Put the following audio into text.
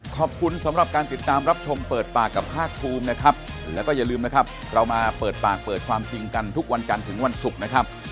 ขอบคุณสำหรับการติดตามรับชมเปิดปากกับภาคภูมินะครับแล้วก็อย่าลืมนะครับเรามาเปิดปากเปิดความจริงกันทุกวันจันทร์ถึงวันศุกร์นะครับ